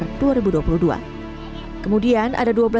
menurut pengamat ketenaga kerjaan ugm tajudin nur effendi